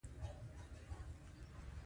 څښتن يې د مجاهيدنو سړى و.